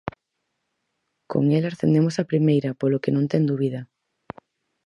Con el ascendemos a Primeira, polo que non ten dúbida.